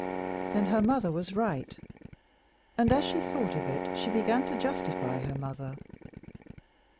Then her mother was right. And as she thought of it she began to justify her mother.